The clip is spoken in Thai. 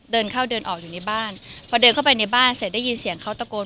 เดินเข้าเดินออกอยู่ในบ้านพอเดินเข้าไปในบ้านเสร็จได้ยินเสียงเขาตะโกน